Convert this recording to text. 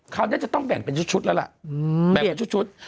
เขาจะต้องแบ่งเป็นชุดแล้วแบ่งเป็นชุด